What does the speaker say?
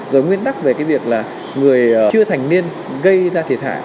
rồi nguyên tắc về cái việc là người chưa thành niên gây ra thiệt hại